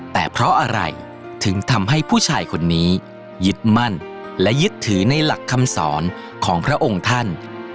แต่เพราะอะไรถึงทำให้ผู้ชายคนนี้ยึดมั่นและยึดถือในหลักคำสอนของพระองค์ท่าน